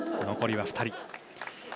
残りは２人。